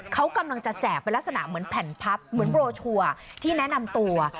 เขากำลังจะแจกเป็นลักษณะเหมือนแผ่นพับเหมือนโรชัวร์ที่แนะนำตัว